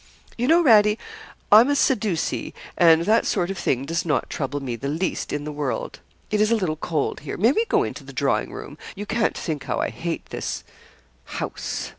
'You know, Radie, I'm a Sadducee and that sort of thing does not trouble me the least in the world. It is a little cold here. May we go into the drawing room? You can't think how I hate this house.